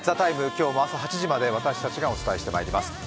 今日も朝８時まで私たちがお伝えしてまいります。